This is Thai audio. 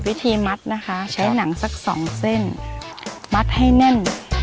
วิธีมัดนะคะใช้หนังสักสองเส้นมัดให้แน่น